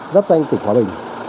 giáp danh tỉnh hòa bình